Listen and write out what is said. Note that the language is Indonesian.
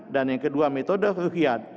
dan yang kedua metode ruhiyat